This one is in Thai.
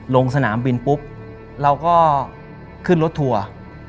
ลงสนามบินปุ๊บเราก็ขึ้นรถทัวร์